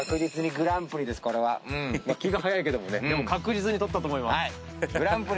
気が早いけどもねでも確実に取ったと思います